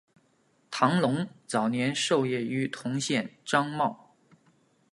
唐龙早年受业于同县章懋。